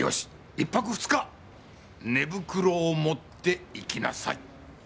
１泊２日寝袋を持って行きなさい！